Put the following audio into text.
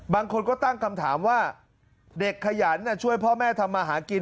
บางคนก็ตั้งคำถามว่าเด็กขยันช่วยพ่อแม่ทำมาหากิน